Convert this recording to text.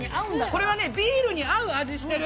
これはビールに合う味してる。